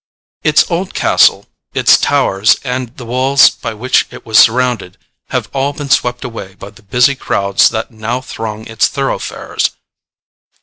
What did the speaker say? Its old castle, its towers, and the walls by which it was surrounded, have all been swept away by the busy crowds that now throng its thoroughfares.